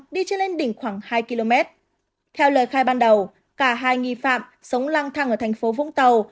đi trên lên đỉnh khoảng hai km theo lời khai ban đầu cả hai nghi phạm sống lang thang ở thành phố vũng tàu